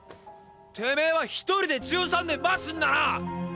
てめぇは一人で１３年待つんだな！